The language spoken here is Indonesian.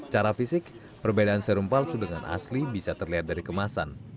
secara fisik perbedaan serum palsu dengan asli bisa terlihat dari kemasan